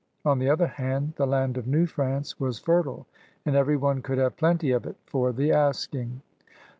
On the other hand, the land of New France was fertile, and every one could have plenty of it for the asking.